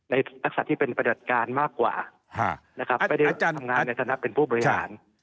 ในทักษะที่เป็นประโยชน์การมากกว่าไม่ได้ทำงานในสนับเป็นผู้บริหาร